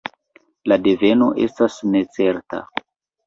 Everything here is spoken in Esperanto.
La deveno estas necerta.